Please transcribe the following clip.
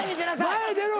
前出ろ！